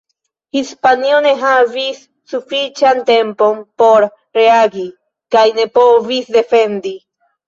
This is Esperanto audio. Hispanio ne havis sufiĉan tempon por reagi, kaj ne povis defendi.